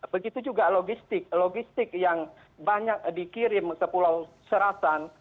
begitu juga logistik logistik yang banyak dikirim ke pulau serasan